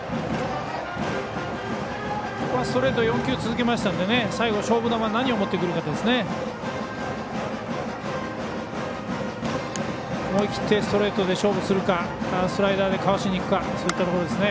ストレート４球続けたので最後、勝負球何を持ってくるかですね。